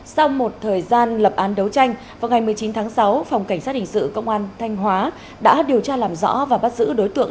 sau một thời gian lập án đấu tranh vào ngày một mươi chín tháng sáu phòng cảnh sát hình sự công an thanh hóa đã điều tra làm rõ và bắt giữ đối tượng